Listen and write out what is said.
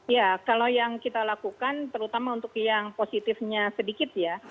ya kalau yang kita lakukan terutama untuk yang positifnya sedikit ya